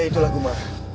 ya itulah kumar